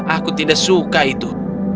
aku tidak suka itu